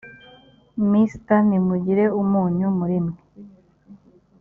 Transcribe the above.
mr nimugire umunyu muri mwe